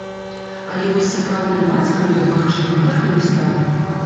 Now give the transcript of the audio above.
Але вось сапраўдным бацькам ён, магчыма, так і не стаў.